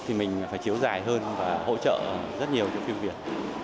thì mình phải chiếu dài hơn và hỗ trợ rất nhiều cho phim việt